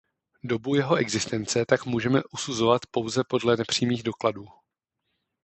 Dobu jeho existence tak můžeme usuzovat pouze podle nepřímých dokladů.